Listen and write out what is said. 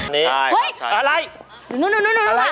นี่เฮ้ย